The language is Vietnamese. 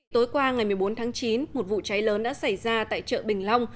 tối qua ngày một mươi bốn tháng chín một vụ cháy lớn đã xảy ra tại chợ bình long